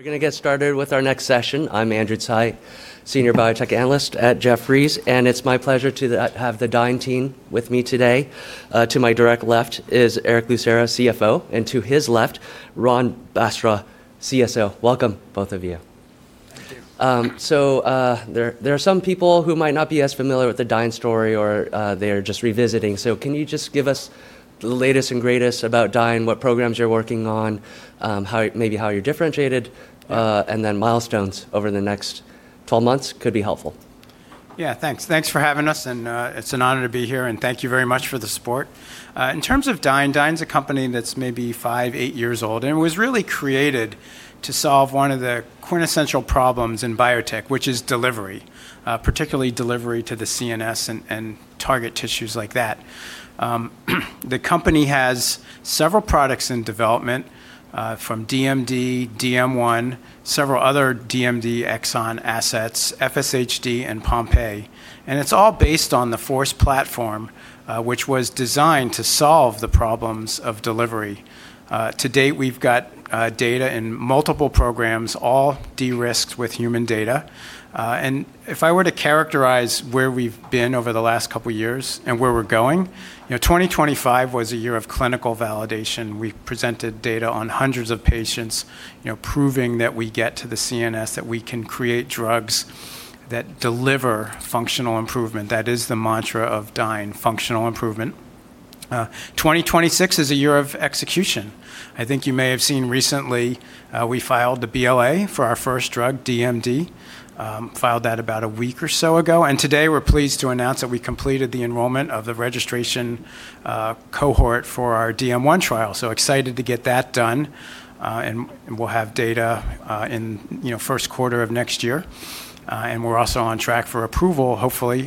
We're going to get started with our next session. I'm Andrew Tsai, Senior Biotech Analyst at Jefferies, and it's my pleasure to have the Dyne team with me today. To my direct left is Erick Lucera, CFO, and to his left, Ron Batra, CSO. Welcome, both of you. Thank you. There are some people who might not be as familiar with the Dyne story or they are just revisiting. Can you just give us the latest and greatest about Dyne, what programs you're working on, maybe how you're differentiated, and then milestones over the next 12 months could be helpful? Yeah, thanks for having us, and it's an honor to be here, and thank you very much for the support. In terms of Dyne's a company that's maybe five, eight years old, and it was really created to solve one of the quintessential problems in biotech, which is delivery, particularly delivery to the CNS and target tissues like that. The company has several products in development, from DMD, DM1, several other DMD exon assets, FSHD, and Pompe, and it's all based on the FORCE platform, which was designed to solve the problems of delivery. To date, we've got data in multiple programs, all de-risked with human data. If I were to characterize where we've been over the last couple of years and where we're going, 2025 was a year of clinical validation. We presented data on hundreds of patients, proving that we get to the CNS, that we can create drugs that deliver functional improvement. That is the mantra of Dyne, functional improvement. 2026 is a year of execution. I think you may have seen recently, we filed the BLA for our first drug, DMD. Filed that about a week or so ago. Today, we're pleased to announce that we completed the enrollment of the registration cohort for our DM1 trial. Excited to get that done, and we'll have data in first quarter of next year. We're also on track for approval, hopefully,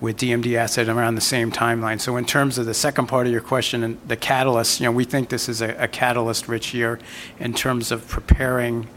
with DMD asset around the same timeline. In terms of the second part of your question and the catalyst, we think this is a catalyst-rich year in terms of preparing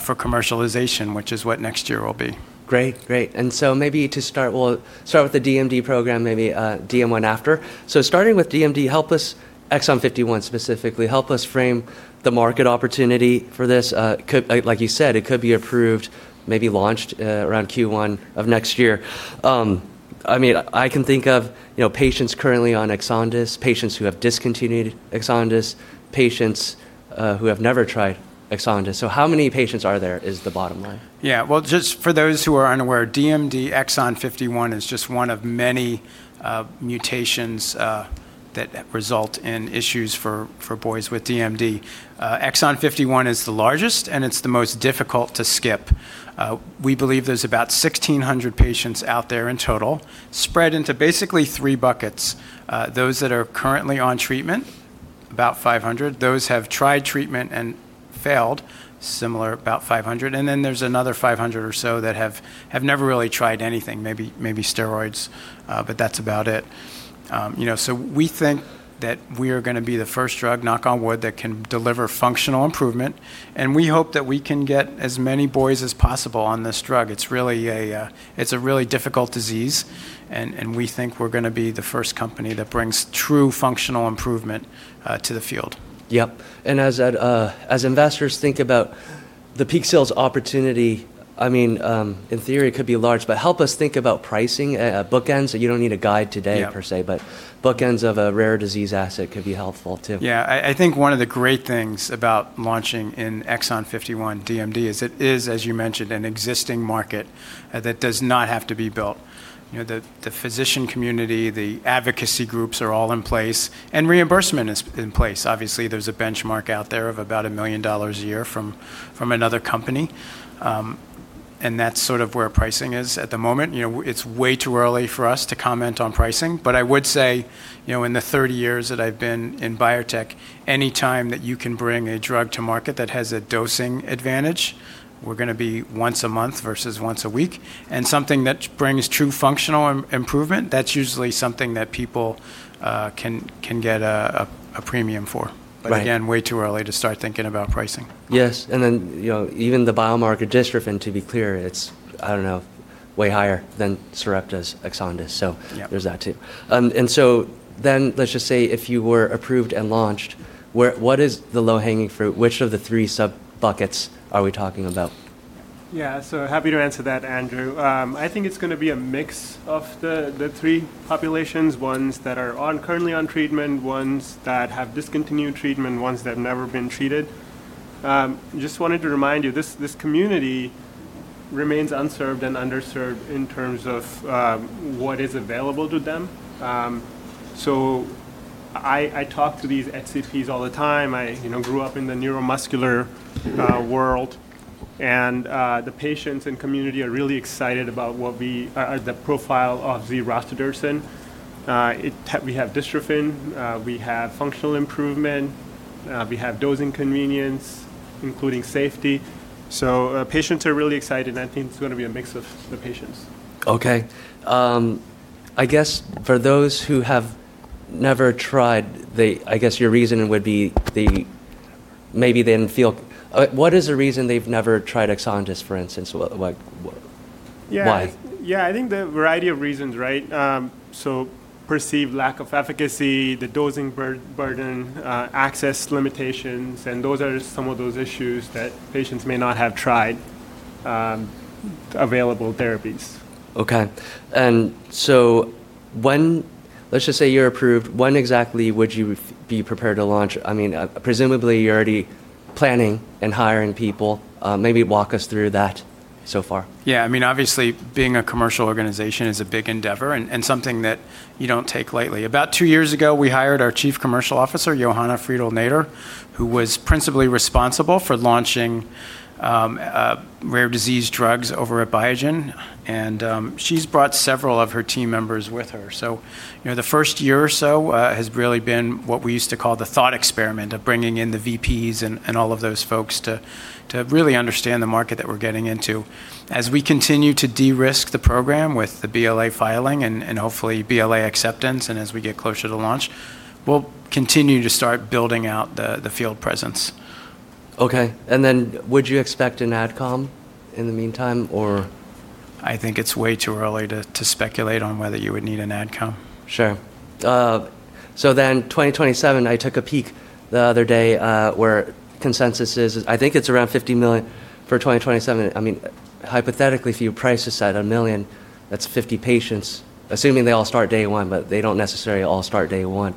for commercialization, which is what next year will be. Great. Maybe to start, we'll start with the DMD program, maybe DM1 after. Starting with DMD, help us, Exon 51 specifically, help us frame the market opportunity for this. Like you said, it could be approved, maybe launched around Q1 of next year. I can think of patients currently on EXONDYS, patients who have discontinued EXONDYS, patients who have never tried EXONDYS. How many patients are there is the bottom line. Well, just for those who are unaware, DMD Exon 51 is just one of many mutations that result in issues for boys with DMD. Exon 51 is the largest, it's the most difficult to skip. We believe there's about 1,600 patients out there in total, spread into basically three buckets. Those that are currently on treatment, about 500, those have tried treatment and failed, similar, about 500, there's another 500 or so that have never really tried anything, maybe steroids, that's about it. We think that we are going to be the first drug, knock on wood, that can deliver functional improvement, we hope that we can get as many boys as possible on this drug. It's a really difficult disease, we think we're going to be the first company that brings true functional improvement to the field. Yep. As investors think about the peak sales opportunity, in theory, it could be large, but help us think about pricing at bookends. You don't need a guide today per se, but bookends of a rare disease asset could be helpful too. I think one of the great things about launching in Exon 51 DMD is it is, as you mentioned, an existing market that does not have to be built. The physician community, the advocacy groups are all in place. Reimbursement is in place. Obviously, there's a benchmark out there of about $1 million a year from another company. That's sort of where pricing is at the moment. It's way too early for us to comment on pricing. I would say, in the 30 years that I've been in biotech, any time that you can bring a drug to market that has a dosing advantage, we're going to be once a month versus once a week. Something that brings true functional improvement, that's usually something that people can get a premium for. Right. Again, way too early to start thinking about pricing. Yes. Even the biomarker dystrophin, to be clear, it's, I don't know, way higher than Sarepta's EXONDYS there's that too. Let's just say if you were approved and launched, what is the low-hanging fruit? Which of the three sub-buckets are we talking about? Yeah, happy to answer that, Andrew. I think it's going to be a mix of the three populations, ones that are currently on treatment, ones that have discontinued treatment, ones that have never been treated. Just wanted to remind you, this community remains unserved and underserved in terms of what is available to them. I talk to these XSPs all the time. I grew up in the neuromuscular world, the patients and community are really excited about the profile of zeleciment rostudirsen. We have dystrophin, we have functional improvement, we have dosing convenience, including safety. Patients are really excited, I think it's going to be a mix of the patients. Okay. What is the reason they've never tried EXONDYS, for instance? Why? Yeah, I think there are a variety of reasons, right? Perceived lack of efficacy, the dosing burden, access limitations, and those are some of those issues that patients may not have tried available therapies. Okay. Let's just say you're approved, when exactly would you be prepared to launch? Presumably, you're already planning and hiring people. Walk us through that so far. Obviously, being a commercial organization is a big endeavor and something that you don't take lightly. About two years ago, we hired our Chief Commercial Officer, Johanna Friedl-Naderer, who was principally responsible for launching rare disease drugs over at Biogen, she's brought several of her team members with her. The first year or so has really been what we used to call the thought experiment, of bringing in the VPs and all of those folks to really understand the market that we're getting into. As we continue to de-risk the program with the BLA filing hopefully BLA acceptance, as we get closer to launch, we'll continue to start building out the field presence. Okay. Would you expect an AdCom in the meantime, or? I think it's way too early to speculate on whether you would need an AdCom. Sure. 2027, I took a peek the other day, where consensus is, I think it's around $50 million for 2027. Hypothetically, if you price this at $1 million, that's 50 patients, assuming they all start day one, but they don't necessarily all start day one.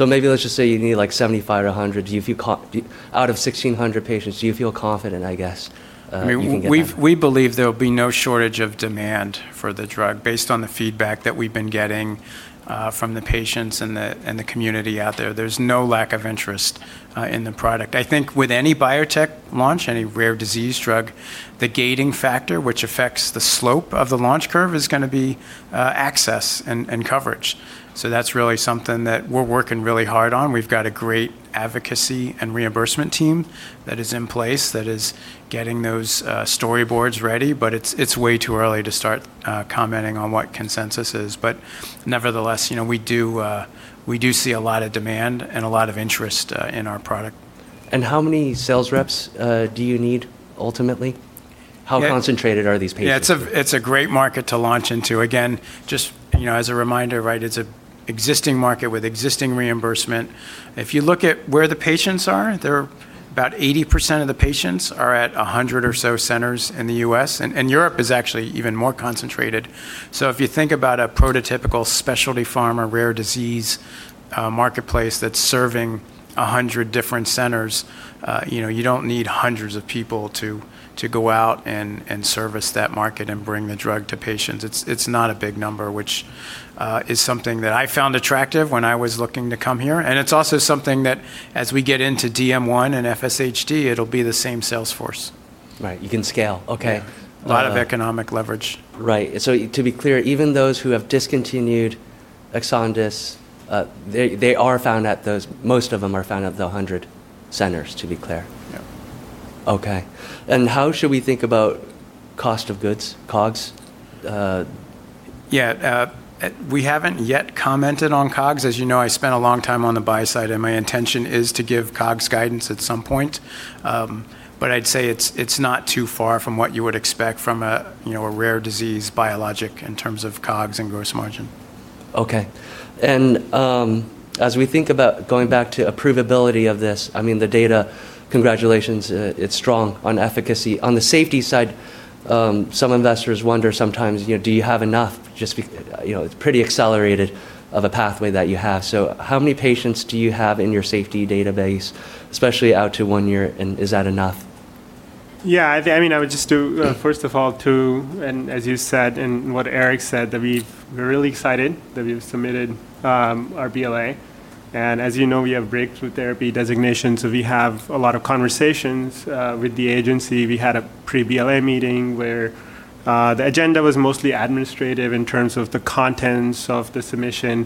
Maybe let's just say you need 75-100. Out of 1,600 patients, do you feel confident, I guess, you can get that? We believe there'll be no shortage of demand for the drug, based on the feedback that we've been getting from the patients and the community out there. There's no lack of interest in the product. I think with any biotech launch, any rare disease drug, the gating factor, which affects the slope of the launch curve, is going to be access and coverage. That's really something that we're working really hard on. We've got a great advocacy and reimbursement team that is in place that is getting those storyboards ready. It's way too early to start commenting on what consensus is. Nevertheless, we do see a lot of demand and a lot of interest in our product. How many sales reps do you need, ultimately? How concentrated are these patients? Yeah, it's a great market to launch into. Again, just as a reminder, it's an existing market with existing reimbursement. If you look at where the patients are, about 80% of the patients are at 100 or so centers in the U.S., Europe is actually even more concentrated. If you think about a prototypical specialty pharma, rare disease marketplace that's serving 100 different centers, you don't need hundreds of people to go out and service that market and bring the drug to patients. It's not a big number, which is something that I found attractive when I was looking to come here, and it's also something that, as we get into DM1 and FSHD, it'll be the same sales force. Right. You can scale. Okay. Yeah. A lot of economic leverage. Right. To be clear, even those who have discontinued EXONDYS, most of them are found at the 100 centers, to be clear. Yeah. Okay. How should we think about cost of goods, COGS? Yeah. We haven't yet commented on COGS. As you know, I spent a long time on the buy side, and my intention is to give COGS guidance at some point. I'd say it's not too far from what you would expect from a rare disease biologic in terms of COGS and gross margin. Okay. As we think about going back to approvability of this, the data, congratulations, it's strong on efficacy. On the safety side, some investors wonder sometimes, do you have enough? It's pretty accelerated of a pathway that you have. How many patients do you have in your safety database, especially out to one year, and is that enough? Yeah. I would just do, first of all, too, and as you said, and what Erick said, that we're really excited that we've submitted our BLA. As you know, we have Breakthrough Therapy designation, so we have a lot of conversations with the agency. We had a pre-BLA meeting where the agenda was mostly administrative in terms of the contents of the submission.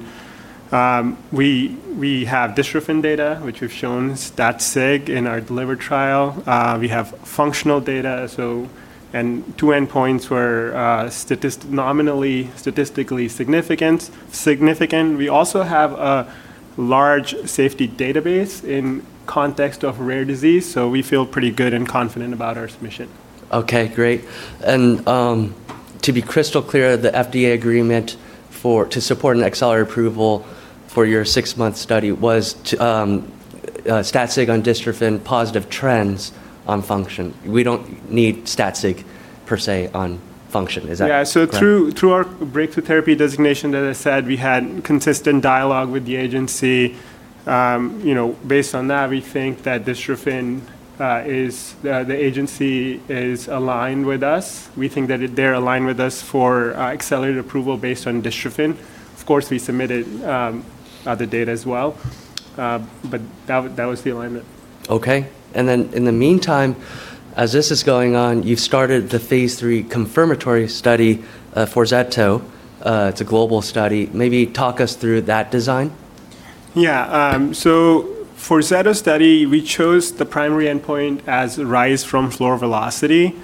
We have dystrophin data, which we've shown stat sig in our DELIVER trial. We have functional data, and two endpoints were nominally statistically significant. We also have a large safety database in context of a rare disease, so we feel pretty good and confident about our submission. Okay, great. To be crystal clear, the FDA agreement to support an accelerated approval for your six-month study was stat sig on dystrophin, positive trends on function. We don't need stat sig per se on function, is that correct? Yeah, through our Breakthrough Therapy designation, as I said, we had consistent dialogue with the agency. Based on that, we think that the agency is aligned with us. We think that they're aligned with us for accelerated approval based on dystrophin. Of course, we submitted other data as well. That was the alignment. Okay. In the meantime, as this is going on, you've started the phase III confirmatory study for FORZETTO. It's a global study. Maybe talk us through that design. Yeah. For FORZETTO study, we chose the primary endpoint as Rise from Floor Velocity.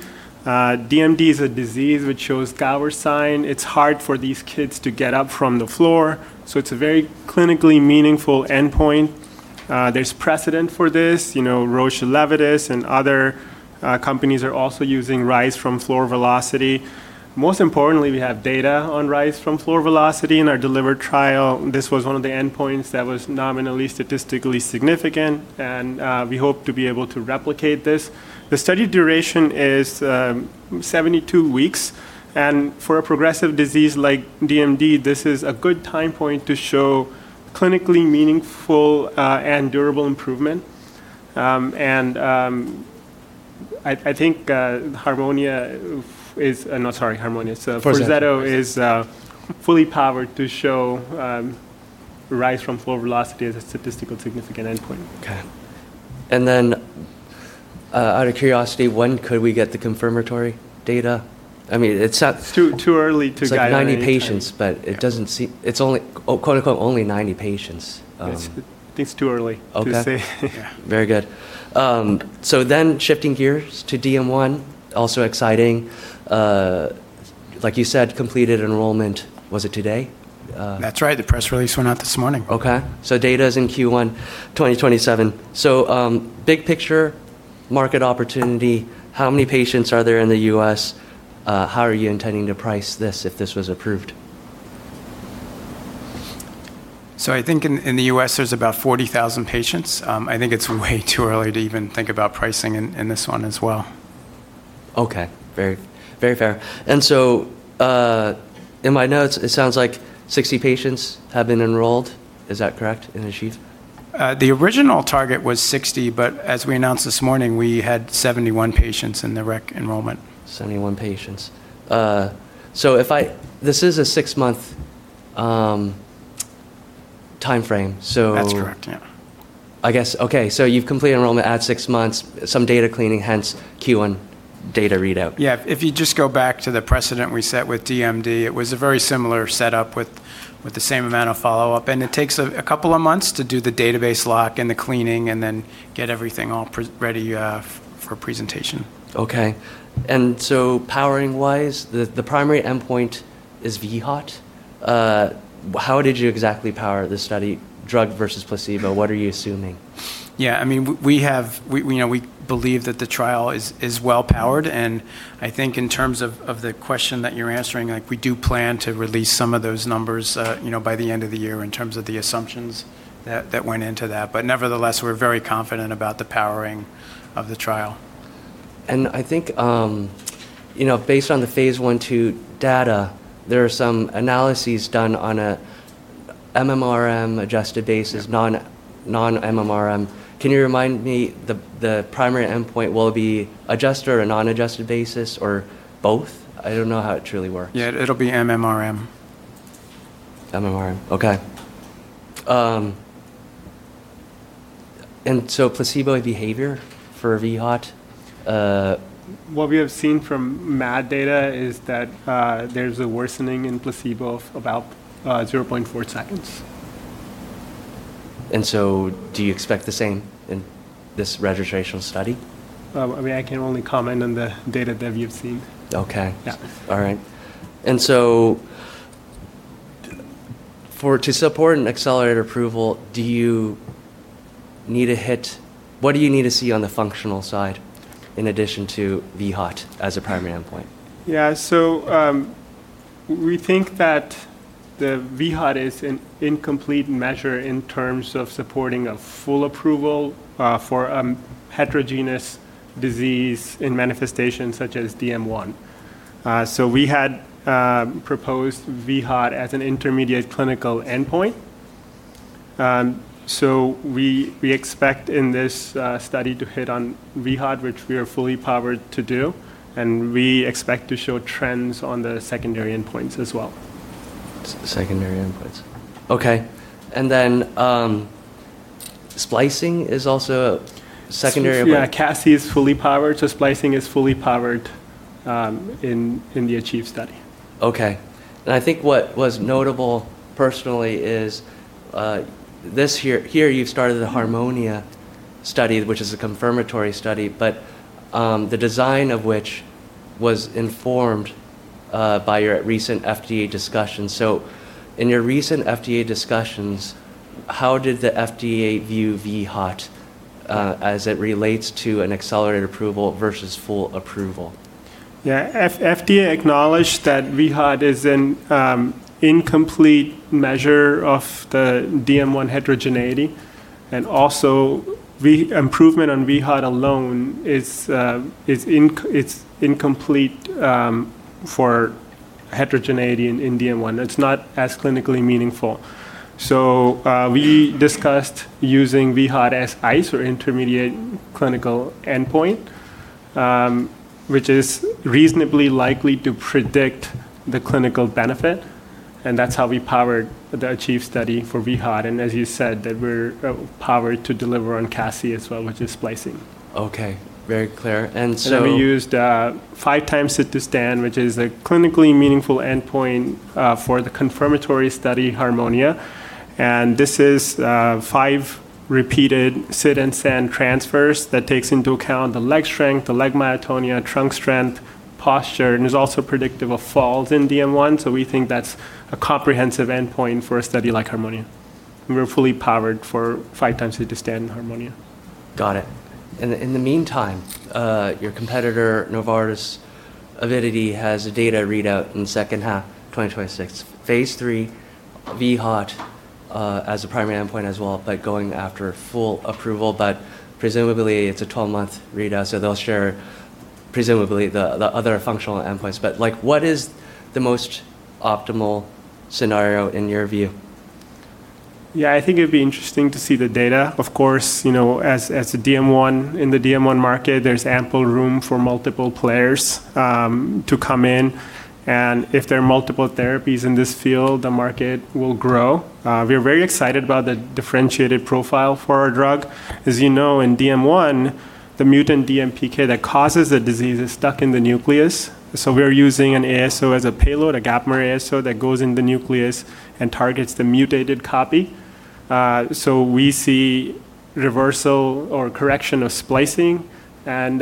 DMD is a disease which shows Gowers' sign. It's hard for these kids to get up from the floor. It's a very clinically meaningful endpoint. There's precedent for this. Roche, Elevidys, and other companies are also using Rise from Floor Velocity. Most importantly, we have data on Rise from Floor Velocity in our DELIVER trial. This was one of the endpoints that was nominally statistically significant, and we hope to be able to replicate this. The study duration is 72 weeks. For a progressive disease like DMD, this is a good time point to show clinically meaningful and durable improvement. I think FORZETTO is fully powered to show Rise from Floor Velocity as a statistical significant endpoint. Okay. Then out of curiosity, when could we get the confirmatory data? It's too early to guide on any time. It's like 90 patients, but it's only "only 90 patients. I think it's too early to say. Very good. Shifting gears to DM1, also exciting. Like you said, completed enrollment. Was it today? That's right. The press release went out this morning. Okay. Data's in Q1 2027. Big picture, market opportunity, how many patients are there in the U.S.? How are you intending to price this if this was approved? I think in the U.S., there's about 40,000 patients. I think it's way too early to even think about pricing in this one as well. Okay. Very fair. In my notes, it sounds like 60 patients have been enrolled. Is that correct, in ACHIEVE? The original target was 60, but as we announced this morning, we had 71 patients in the rec enrollment. 71 patients. This is a six-month timeframe. That's correct, yeah. You've completed enrollment at six months, some data cleaning, hence Q1 data readout. Yeah. If you just go back to the precedent we set with DMD, it was a very similar setup with the same amount of follow-up. It takes a couple of months to do the database lock and the cleaning, and then get everything all ready for presentation. Okay. Powering-wise, the primary endpoint is vHOT. How did you exactly power this study, drug versus placebo? What are you assuming? Yeah, we believe that the trial is well-powered, and I think in terms of the question that you're answering, we do plan to release some of those numbers by the end of the year in terms of the assumptions that went into that. Nevertheless, we're very confident about the powering of the trial. I think based on the phase I/II data, there are some analyses done on a MMRM-adjusted basis non-MMRM. Can you remind me, the primary endpoint will be adjusted or non-adjusted basis or both? I don't know how it truly works. Yeah, it'll be MMRM. MMRM. Okay. Placebo behavior for vHOT? What we have seen from MAD data is that there's a worsening in placebo of about 0.4 seconds. Do you expect the same in this registrational study? I can only comment on the data that we have seen. Okay. Yeah. All right. To support an accelerated approval, what do you need to see on the functional side in addition to vHOT as a primary endpoint? Yeah. We think that the vHOT is an incomplete measure in terms of supporting a full approval for a heterogeneous disease in manifestations such as DM1. We had proposed vHOT as an intermediate clinical endpoint. We expect in this study to hit on vHOT, which we are fully powered to do, and we expect to show trends on the secondary endpoints as well. Secondary endpoints. Okay. Splicing is also a secondary- Yeah. CASI is fully powered, so splicing is fully powered in the ACHIEVE study. Okay. I think what was notable personally is here you've started the HARMONIA study, which is a confirmatory study, but the design of which was informed by your recent FDA discussion. In your recent FDA discussions, how did the FDA view vHOT as it relates to an accelerated approval versus full approval? FDA acknowledged that vHOT is an incomplete measure of the DM1 heterogeneity. Also improvement on vHOT alone it's incomplete for heterogeneity in DM1. It's not as clinically meaningful. We discussed using vHOT as ICE or Intermediate Clinical Endpoint, which is reasonably likely to predict the clinical benefit, and that's how we powered the ACHIEVE study for vHOT. As you said, that we're powered to deliver on CASI as well, which is splicing. Okay. Very clear. We used Five Times Sit-to-Stand, which is a clinically meaningful endpoint for the confirmatory study, HARMONIA. This is five repeated sit and stand transfers that takes into account the leg strength, the leg myotonia, trunk strength, posture, and is also predictive of falls in DM1. We think that's a comprehensive endpoint for a study like HARMONIA. We're fully powered for Five Times Sit-to-Stand in HARMONIA. Got it. In the meantime, your competitor, Novartis Avidity, has a data readout in the second half of 2026, phase III vHOT as a primary endpoint as well, going after full approval. Presumably it's a 12-month readout, so they'll share presumably the other functional endpoints. What is the most optimal scenario in your view? Yeah, I think it'd be interesting to see the data. Of course, as a DM1, in the DM1 market, there's ample room for multiple players to come in, and if there are multiple therapies in this field, the market will grow. We are very excited about the differentiated profile for our drug. As you know, in DM1, the mutant DMPK that causes the disease is stuck in the nucleus. We are using an ASO as a payload, a gapmer ASO that goes in the nucleus and targets the mutated copy. We see reversal or correction of splicing, and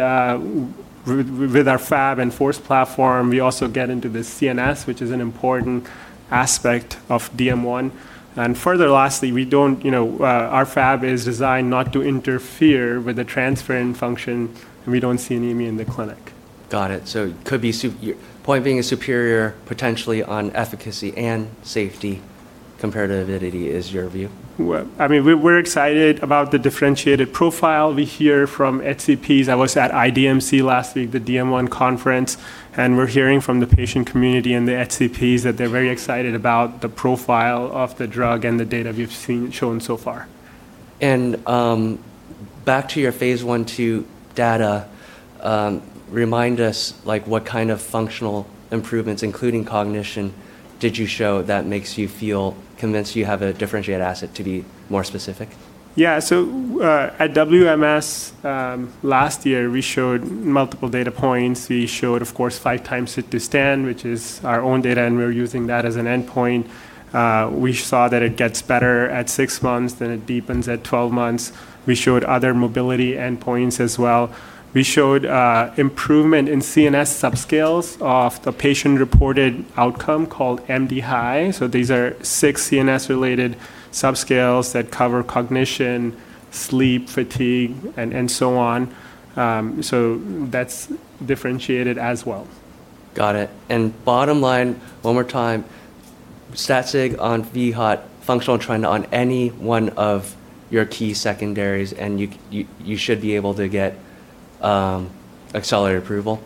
with our Fab and FORCE platform, we also get into the CNS, which is an important aspect of DM1. Further lastly, our Fab is designed not to interfere with the transferrin function, and we don't see any immune in the clinic. Got it. Could your point being a superior potentially on efficacy and safety compared to Avidity is your view? We're excited about the differentiated profile. We hear from HCPs. I was at IDMC last week, the DM1 conference, and we're hearing from the patient community and the HCPs that they're very excited about the profile of the drug and the data we've shown so far. Back to your phase I/II data, remind us what kind of functional improvements, including cognition, did you show that makes you feel convinced you have a differentiated asset, to be more specific? Yeah. At WMS last year, we showed multiple data points. We showed, of course, Five Times Sit-to-Stand, which is our own data, and we're using that as an endpoint. We saw that it gets better at six months, then it deepens at 12 months. We showed other mobility endpoints as well. We showed improvement in CNS subscales of the patient-reported outcome called MDHI. These are six CNS-related subscales that cover cognition, sleep, fatigue, and so on. That's differentiated as well. Got it. Bottom line, one more time, stat sig on vHOT, functional trend on any one of your key secondaries, you should be able to get accelerated approval.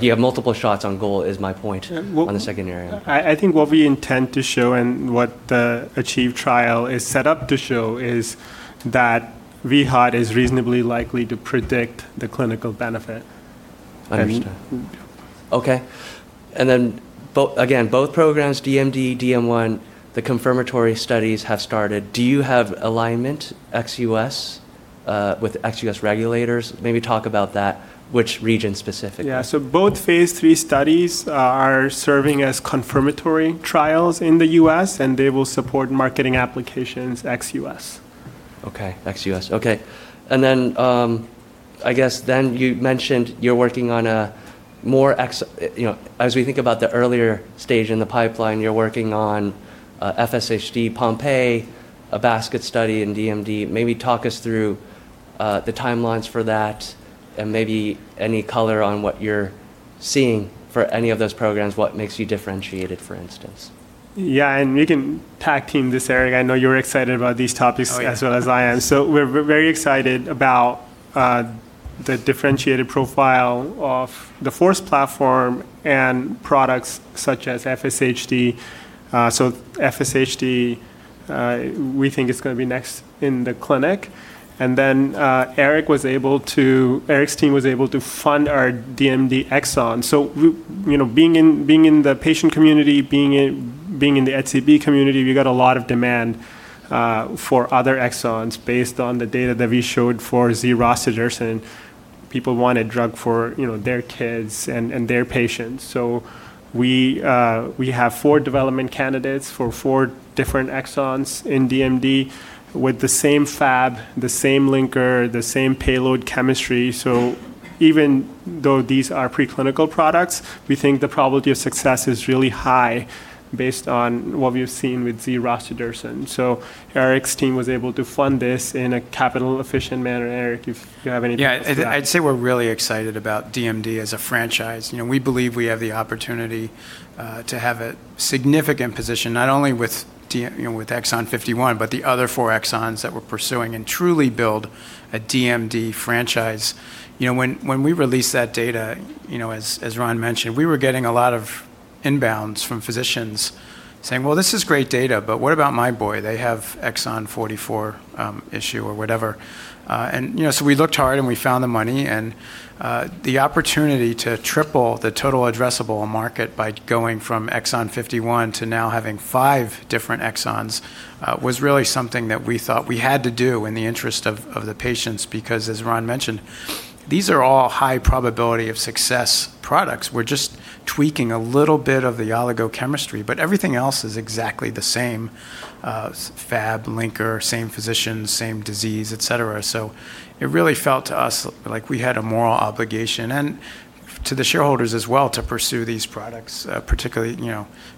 You have multiple shots on goal is my point on the secondary. I think what we intend to show and what the ACHIEVE trial is set up to show is that vHOT is reasonably likely to predict the clinical benefit. Understood. Okay. Then again, both programs, DMD, DM1, the confirmatory studies have started. Do you have alignment ex-U.S. with ex-U.S. regulators? Maybe talk about that, which region specifically. Yeah. Both phase III studies are serving as confirmatory trials in the U.S., and they will support marketing applications ex-U.S. Okay, ex-U.S. Okay. I guess then you mentioned you're working on as we think about the earlier stage in the pipeline, you're working on FSHD/Pompe, a basket study in DMD. Maybe talk us through the timelines for that and maybe any color on what you're seeing for any of those programs, what makes you differentiated, for instance. Yeah. We can tag-team this, Erick. I know you're excited about these topics. Oh, yeah. As well as I am. We're very excited about the differentiated profile of the FORCE platform and products such as FSHD. FSHD, we think is going to be next in the clinic. Erick's team was able to fund our DMD exon. Being in the patient community, being in the DMD community, we got a lot of demand for other exons based on the data that we showed for z-rostudirsen. People want a drug for their kids and their patients. We have four development candidates for four different exons in DMD with the same Fab, the same linker, the same payload chemistry. Even though these are preclinical products, we think the probability of success is really high based on what we've seen with z-rostudirsen. Erick's team was able to fund this in a capital-efficient manner. Erick, if you have anything to add. Yeah, I'd say we're really excited about DMD as a franchise. We believe we have the opportunity to have a significant position, not only with exon 51, but the other four exons that we're pursuing and truly build a DMD franchise. When we released that data, as Ron mentioned, we were getting a lot of inbounds from physicians saying, "Well, this is great data, but what about my boy? They have exon 44 issue" or whatever. We looked hard and we found the money, and the opportunity to triple the total addressable market by going from exon 51 to now having five different exons was really something that we thought we had to do in the interest of the patients because, as Ron mentioned, these are all high probability of success products. We're just tweaking a little bit of the oligochemistry, but everything else is exactly the same Fab, linker, same physicians, same disease, et cetera. It really felt to us like we had a moral obligation, and to the shareholders as well to pursue these products, particularly,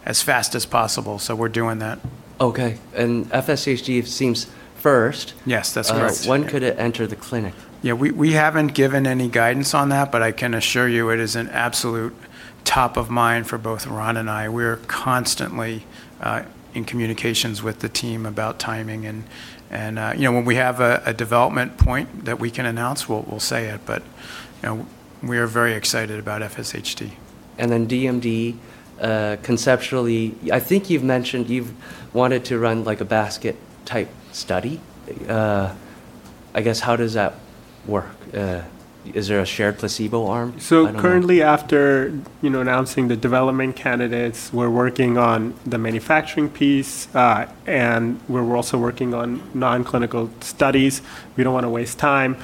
as fast as possible. We're doing that. Okay. FSHD seems first. Yes, that's correct. When could it enter the clinic? Yeah. We haven't given any guidance on that, but I can assure you it is an absolute top of mind for both Ron and I. We're constantly in communications with the team about timing, and when we have a development point that we can announce, we'll say it, but we are very excited about FSHD. DMD, conceptually, I think you've mentioned you've wanted to run a basket type study. I guess, how does that work? Is there a shared placebo arm? I don't know. Currently after announcing the development candidates, we're working on the manufacturing piece, and we're also working on non-clinical studies. We don't want to waste time.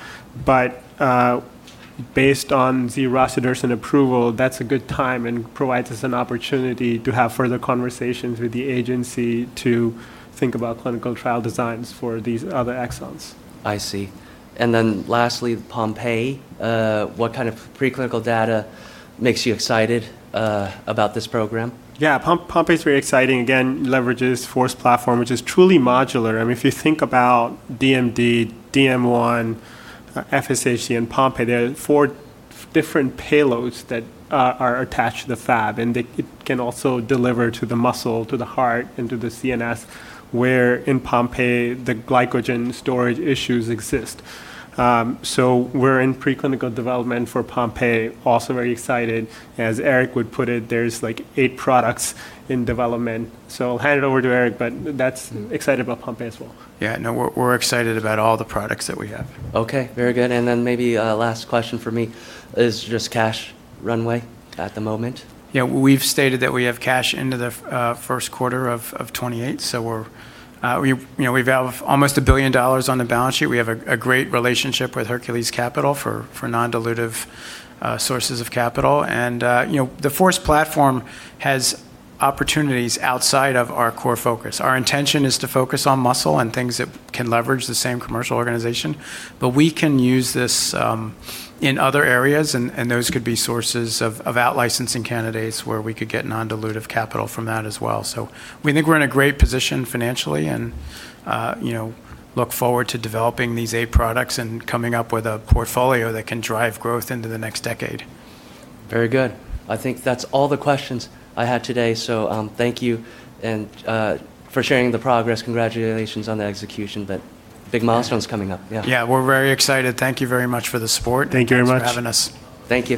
Based on the z-basivarsen approval, that's a good time and provides us an opportunity to have further conversations with the agency to think about clinical trial designs for these other exons. I see. Lastly, Pompe, what kind of preclinical data makes you excited about this program? Yeah. Pompe is very exciting. Again, leverages FORCE platform, which is truly modular. If you think about DMD, DM1, FSHD, and Pompe, they're four different payloads that are attached to the Fab, and it can also deliver to the muscle, to the heart, and to the CNS, where in Pompe the glycogen storage issues exist. We're in preclinical development for Pompe. Also very excited. As Erick would put it, there's eight products in development. I'll hand it over to Erick, but that's excited about Pompe as well. Yeah, no, we're excited about all the products that we have. Okay. Very good. Maybe last question from me is just cash runway at the moment. We've stated that we have cash into the first quarter of 2028, we have almost $1 billion on the balance sheet. We have a great relationship with Hercules Capital for non-dilutive sources of capital. The FORCE platform has opportunities outside of our core focus. Our intention is to focus on muscle and things that can leverage the same commercial organization. We can use this in other areas, those could be sources of out licensing candidates where we could get non-dilutive capital from that as well. We think we're in a great position financially and look forward to developing these eight products and coming up with a portfolio that can drive growth into the next decade. Very good. I think that's all the questions I had today, so thank you for sharing the progress. Congratulations on the execution, but big milestones coming up. Yeah. Yeah, we're very excited. Thank you very much for the support. Thank you very much. Thanks for having us. Thank you.